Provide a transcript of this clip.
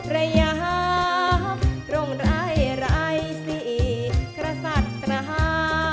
ระยะโรงร้ายร้ายสิอีกรสัตว์นะฮะ